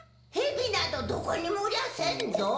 ヘビなどどこにもおりゃせんぞ。